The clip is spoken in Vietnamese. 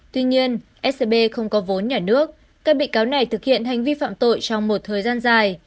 tuy nhiên scb không có vốn nhà nước các bị cáo này thực hiện hành vi phạm tội trong một thời gian dài